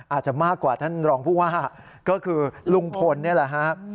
อาจจะมากกว่าท่านรองผู้ว่าก็คือลุงพลนี่แหละฮะ